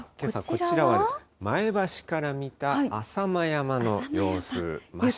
こちらは前橋から見た浅間山の様子。